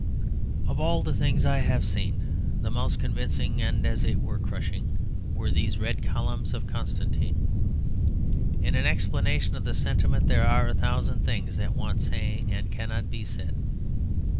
Of all the things I have seen the most convincing, and as it were crushing, were these red columns of Constantine. In explanation of the sentiment there are a thousand things that want saying and cannot be said.